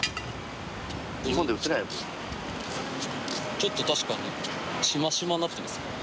ちょっと確かにシマシマになってますね。